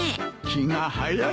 気が早い。